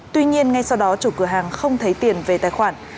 tuy nhiên ngay sau đó chủ cửa hàng không thấy tiền về tài khoản